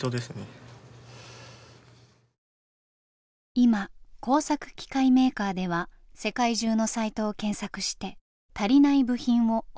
今工作機械メーカーでは世界中のサイトを検索して足りない部品を補おうとしています。